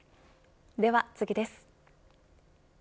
では次です。